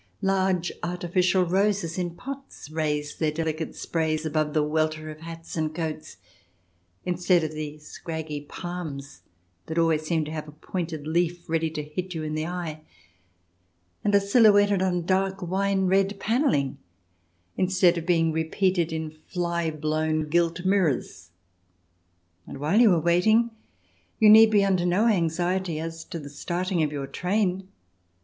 Large artificial roses in pots raise their delicate sprays above the welter of hats and coats, instead of the scraggy palms that always seem to have a pointed leaf ready to hit you in the eye, and are silhouetted on dark wine red panelling instead of being repeated in fly blown gilt mirrors. And while you are waiting you need be under no anxiety as to the starting of your train.